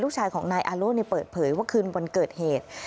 ลูกชายของนายอาโล่เปิดเผยว่าคืนวันเกิดเหตุ